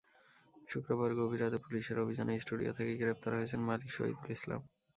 শুক্রবার গভীর রাতে পুলিশের অভিযানে স্টুডিও থেকেই গ্রেপ্তার হয়েছেন মালিক শহীদুল ইসলাম।